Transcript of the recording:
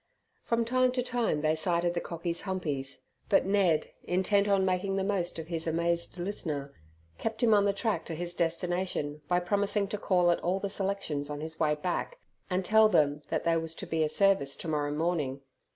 From time to time they sighted the cockies' humpies, but Ned, intent on making the most of his amazed listener, kept him on the track to his destination by promising to call at all the selections on his way back, and tell them that there was to be a service tomorrow morning.